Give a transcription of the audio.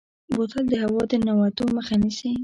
بوتل د هوا د ننوتو مخه نیسي.